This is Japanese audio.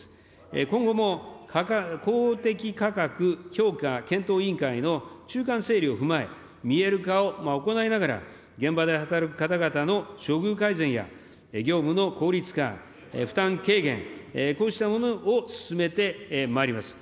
今後も公的価格評価検討委員会の中間整理を踏まえ、見える化を行いながら、現場で働く方々の処遇改善や、業務の効率化、負担軽減、こうしたものを進めてまいります。